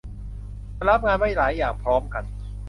ถ้ารับงานไว้หลายอย่างพร้อมกัน